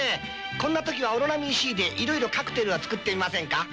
こんな時はオロナミン Ｃ で色々カクテルを作ってみませんか？